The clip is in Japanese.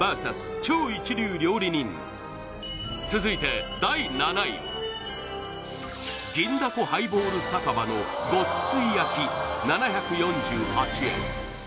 超一流料理人続いて第７位は銀だこハイボール酒場のごっつい焼７４８円